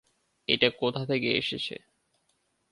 এটা কোথা থেকে এসেছে?